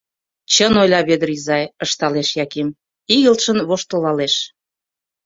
— Чын ойла Вӧдыр изай, — ышталеш Яким, игылтшын воштылалеш.